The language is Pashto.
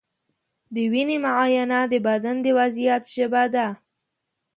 د وینې معاینه د بدن د وضعیت ژبه ده.